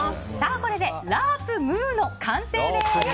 これでラープ・ムーの完成です。